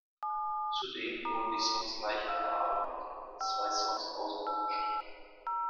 Zudem wurden die Songs leicht überarbeitet und zwei Songs ausgetauscht.